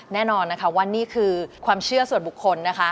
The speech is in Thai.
แน่นอนนะคะว่านี่คือความเชื่อส่วนบุคคลนะคะ